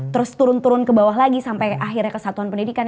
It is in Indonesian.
terus turun turun ke bawah lagi sampai akhirnya kesatuan pendidikan